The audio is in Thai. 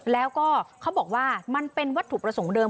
แล้วก็เขาบอกว่ามันเป็นวัตถุประสงค์เดิม